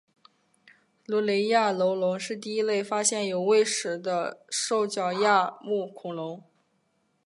卢雷亚楼龙是第一类发现有胃石的兽脚亚目恐龙。